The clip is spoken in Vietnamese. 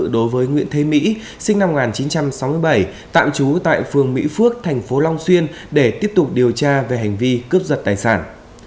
đối với nguyễn thế mỹ sinh năm một nghìn chín trăm sáu mươi bảy tạm trú tại phường mỹ phước tp long xuyên để tiếp tục điều tra về hành vi cướp giật tài sản